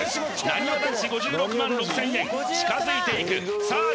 なにわ男子５６６０００円近づいていくさあ